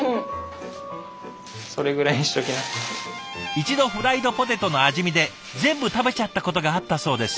一度フライドポテトの味見で全部食べちゃったことがあったそうです。